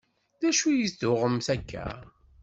D acu i d-tuɣemt akka?